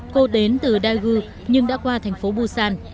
cô đến từ daegu nhưng đã qua thành phố busan